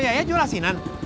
ceyaya jual asinan